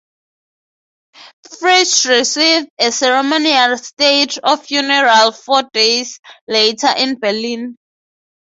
Fritsch received a ceremonial state funeral four days later in Berlin.